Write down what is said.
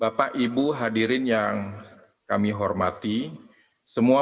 bersama ojk saya berharap anda menemukan kesempatan yang sangat penting di indonesia